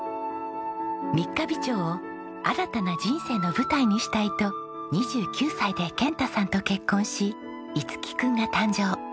三ヶ日町を新たな人生の舞台にしたいと２９歳で健太さんと結婚し樹君が誕生。